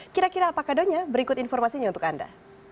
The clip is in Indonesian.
kira kira apa kadonya berikut informasinya untuk anda